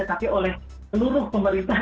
tapi oleh seluruh pemerintah